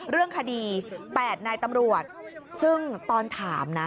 เรื่องคดี๘นายตำรวจซึ่งตอนถามนะ